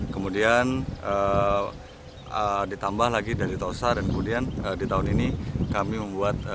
kemudian ditambah lagi dari tosa dan kemudian di tahun ini kami membuat